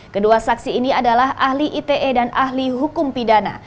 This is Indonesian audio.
kedua saksi ini adalah ahli ite dan ahli hukum pidana